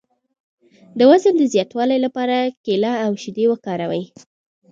د وزن د زیاتولو لپاره کیله او شیدې وکاروئ